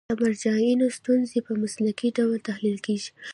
د مراجعینو ستونزې په مسلکي ډول تحلیل کیږي.